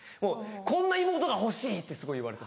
「こんな妹が欲しい」ってすごい言われてました。